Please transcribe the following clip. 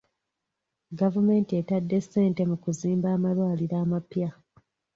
Gavumenti etadde sente mu kuzimba amalwaliro amapya.